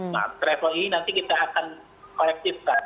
nah travel ini nanti kita akan kolektifkan